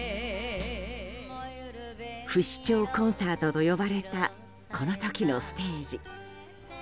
不死鳥コンサートと呼ばれたこの時のステージ。